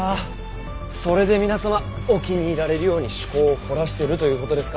それで皆様お気に入られるように趣向を凝らしてるということですか。